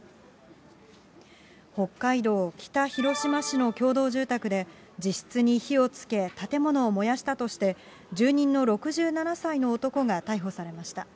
北海道北広島市の共同住宅で、自室に火をつけ建物を燃やしたとして、住人の６７歳の男が逮捕されました。